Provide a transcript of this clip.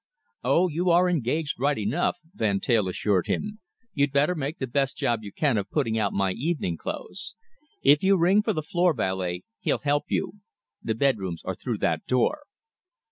"Oh, you are engaged right enough," Van Teyl assured him. "You'd better make the best job you can of putting out my evening clothes. If you ring for the floor valet, he'll help you. The bedrooms are through that door."